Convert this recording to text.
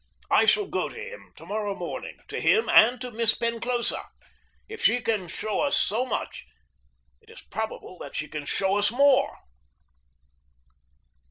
I shall go to him to morrow morning to him and to Miss Penclosa. If she can show us so much, it is probable that she can show us more.